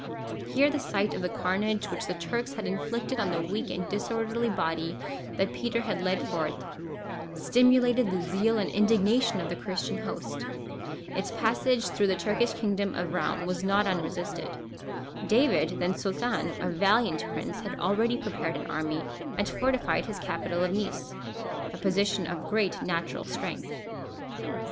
Here the sight of the carnage which the Turks had inflicted on the weak and disorderly body that Peter had led forth, stimulated the zeal and indignation of the Christian host. Its passage through the Turkish kingdom of Roum was not unresisted. David, then Sultan, a valiant prince, had already prepared an army, and fortified his capital of Nice, a position of great natural strength.